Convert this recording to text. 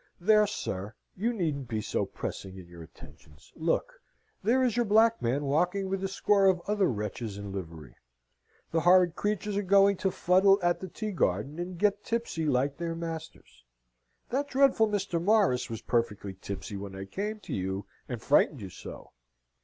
There, sir, you needn't be so pressing in your attentions. Look! There is your black man walking with a score of other wretches in livery. The horrid creatures are going to fuddle at the tea garden, and get tipsy like their masters. That dreadful Mr. Morris was perfectly tipsy when I came to you, and frightened you so."